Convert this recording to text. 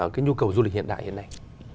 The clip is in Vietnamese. cái nhu cầu du lịch hiện đại hiện nay